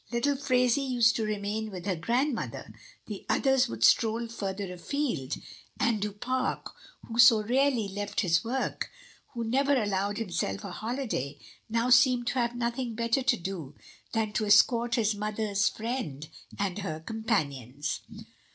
Little Phraisie used to remain with her grandmother; the others would stroll further afield, and Du Pare, who so rarely left his work, who never allowed him self a holiday, now seemed to have nothing better to do than to escort his mother's friend and her companions.